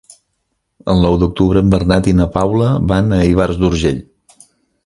El nou d'octubre en Bernat i na Paula van a Ivars d'Urgell.